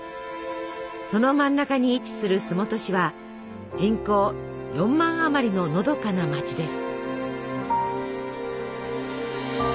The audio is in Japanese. その真ん中に位置する洲本市は人口４万あまりののどかな街です。